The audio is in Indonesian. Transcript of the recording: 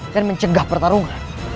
dan mencegah pertarungan